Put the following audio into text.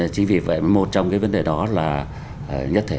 chính vì vậy một trong vấn đề đó là nhất thể hóa